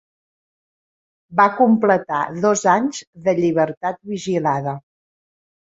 Va completar dos anys de llibertat vigilada.